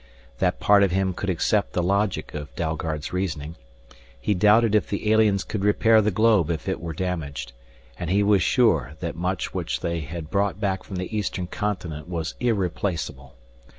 That part of him could accept the logic of Dalgard's reasoning. He doubted if the aliens could repair the globe if it were damaged, and he was sure that much which they had brought back from the eastern continent was irreplaceable.